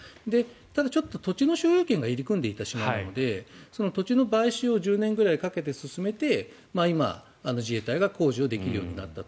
ただ、土地の所有権が入り組んでいた島なので土地の買収を１０年ぐらいかけて進めて今、自衛隊が工事をできるようになったと。